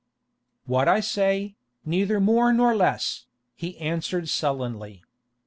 "What I say, neither more nor less," he answered sullenly.